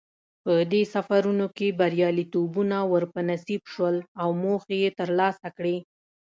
په دې سفرونو کې بریالیتوبونه ور په نصیب شول او موخې یې ترلاسه کړې.